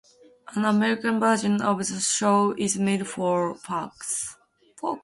An American version of the show is made for Fox.